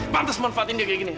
pantas manfaatin dia kayak gini